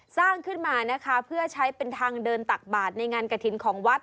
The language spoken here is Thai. สร้างขึ้นมานะคะเพื่อใช้เป็นทางเดินตักบาทในงานกระถิ่นของวัด